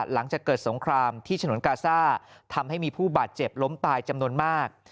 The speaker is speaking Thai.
หลังจากเกิดสงครามที่ฉนวนกาซ่าทำให้มีผู้บาดเจ็บล้มตายจำนวนมาก